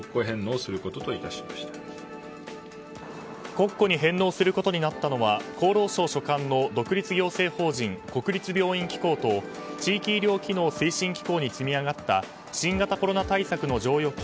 国庫に返納することになったのは厚労省所管の独立行政法人国立病院機構と地域医療機能推進機構に積み上がった新型コロナ対策の剰余金